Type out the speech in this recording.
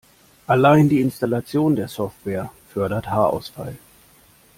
Allein die Installation der Software fördert Haarausfall.